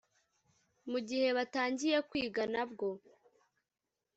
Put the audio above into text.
Mu gihe batangiye kwiga na bwo